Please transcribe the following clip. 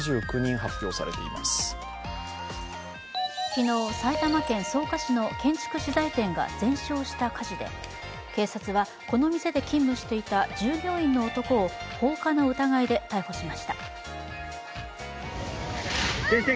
昨日、埼玉県草加市の建築資材店が全焼した火事で、警察は、この店で勤務していた従業員の男を放火の疑いで逮捕しました。